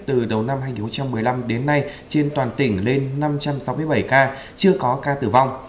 từ đầu năm hai nghìn một mươi năm đến nay trên toàn tỉnh lên năm trăm sáu mươi bảy ca chưa có ca tử vong